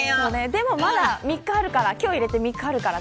でもまだ今日を入れて３日あるから。